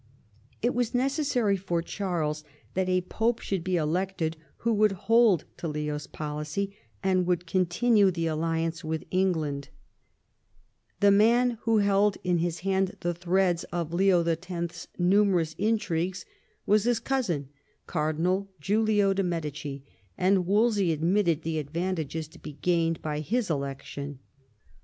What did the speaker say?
It was necessary for Charles that a Pope should be elected who would hold to Leo's policy, and would continue the alliance with England. The man 86 THOMAS WOLSEY chap. who held in his hand the threads of Leo X.'s numerous intrigues was his cousin, Cardinal Giulio de' Medici, and Wolsey admitted the advantages to be gained by his election.